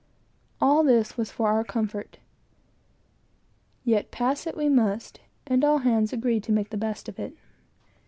All this was for our comfort; yet pass it we must; and all hands agreed to make the best of it.